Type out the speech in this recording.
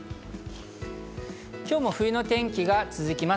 今日も冬の天気が続きます。